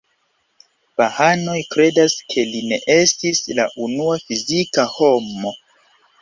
Bahaanoj kredas ke li ne estis la unua fizika homo.